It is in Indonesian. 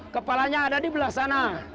kepalanya ada di belakang sana